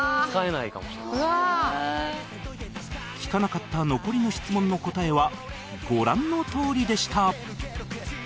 聞かなかった残りの質問の答えはご覧のとおりでした